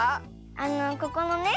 あのここのね